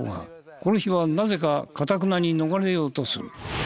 この日はなぜかかたくなに逃れようとする。